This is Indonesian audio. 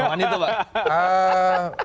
ya itu juga satu variabel